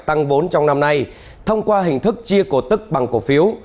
tăng vốn trong năm nay thông qua hình thức chia cổ tức bằng cổ phiếu